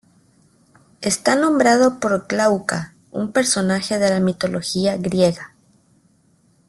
Está nombrado por Glauca, un personaje de la mitología griega.